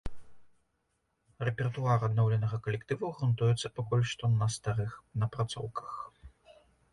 Рэпертуар адноўленага калектыву грунтуецца пакуль што на старых напрацоўках.